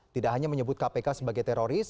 tidak hanya menyebut kpk sebagai teroris